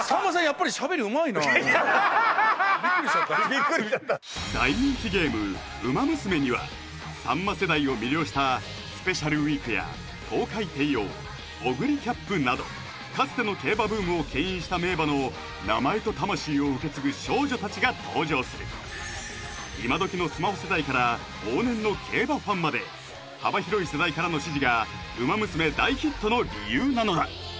ビックリしちゃった大人気ゲーム「ウマ娘」にはさんま世代を魅了したスペシャルウィークやトウカイテイオーオグリキャップなどかつての競馬ブームをけん引した名馬の名前と魂を受け継ぐ少女たちが登場する今どきのスマホ世代から往年の競馬ファンまで幅広い世代からの支持が「ウマ娘」大ヒットの理由なのだ